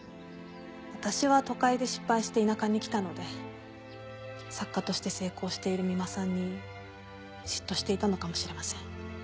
私は都会で失敗して田舎に来たので作家として成功している三馬さんに嫉妬していたのかもしれません。